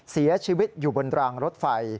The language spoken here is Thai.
เสียชีวิตอยู่บนรางรถไฟ